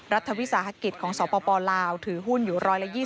รัฐวิสาหกิจของสปลาวถือหุ้นอยู่๑๒๐